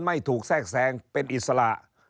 ไม่ถูกแทรกแทรงเป็นอิสระ